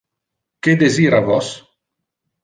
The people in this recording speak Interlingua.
Que desira vos?